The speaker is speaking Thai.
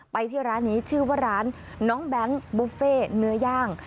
ไปที่ร้านนี้ชื่อว่าร้านน้องแบงค์บุฟเฟ่เนื้อย่าง